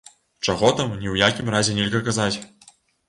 Чаго там ні ў якім разе нельга казаць?